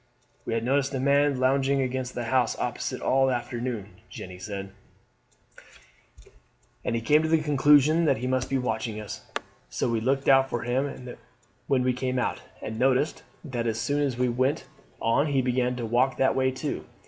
"We had noticed a man lounging against the house opposite all the afternoon," Jeanne said, "and came to the conclusion that he must be watching us; so we looked out for him when we came out, and noticed that as soon as we went on he began to walk that way too.